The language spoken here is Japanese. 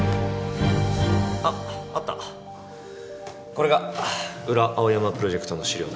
これが裏青山プロジェクトの資料だ。